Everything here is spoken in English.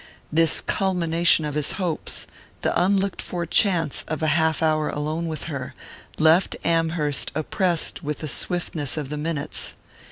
This culmination of his hopes the unlooked for chance of a half hour alone with her left Amherst oppressed with the swiftness of the minutes.